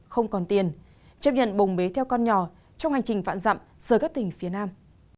không còn tiền chấp nhận bồng bế theo con nhỏ trong hành trình vạn dặm rời các tỉnh phía nam